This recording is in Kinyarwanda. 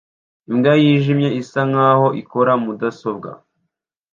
Imbwa yijimye isa nkaho ikora mudasobwa